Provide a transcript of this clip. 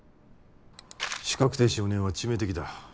資格停止４年は致命的だ